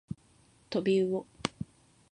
とびうお